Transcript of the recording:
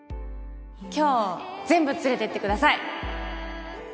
今日全部連れてってください